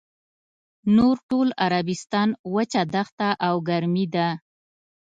نور ټول عربستان وچه دښته او ګرمي ده.